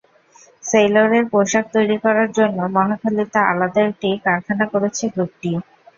সেইলরের পোশাক তৈরি করার জন্য মহাখালীতে আলাদা একটি কারখানা করেছে গ্রুপটি।